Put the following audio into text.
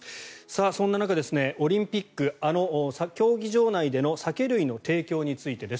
そんな中、オリンピック競技場内での酒類の提供についてです。